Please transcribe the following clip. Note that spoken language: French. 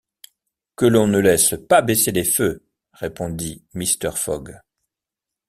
Que l’on ne laisse pas baisser les feux, répondit Mr. Fogg.